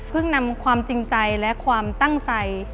นำความจริงใจและความตั้งใจ